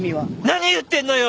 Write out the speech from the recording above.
何言ってんのよ！